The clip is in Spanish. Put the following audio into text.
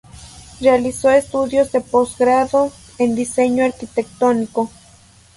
Realizó estudios de posgrado en Diseño Arquitectónico.